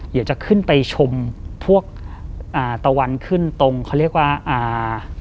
เดี๋ยวจะขึ้นไปชมพวกอ่าตะวันขึ้นตรงเขาเรียกว่าอ่า